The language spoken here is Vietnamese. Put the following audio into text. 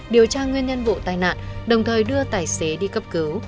điều tra nguyên nhân vụ tai nạn đồng thời đưa tài xế đi cấp cứu